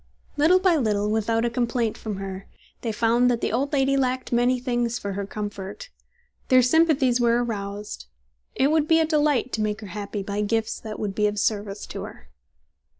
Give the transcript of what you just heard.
Little by little, without a complaint from her, they found that the old lady lacked many things for her comfort. Their sympathies were aroused. It would be a delight to make her happy by gifts that would be of service to her.